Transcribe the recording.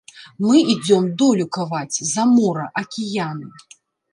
Мы ідзём долю каваць, за мора, акіяны.